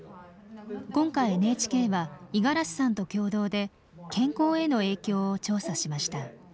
今回ＮＨＫは五十嵐さんと共同で健康への影響を調査しました。